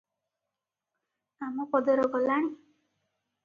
ଆମପଦର ଗଲାଣି?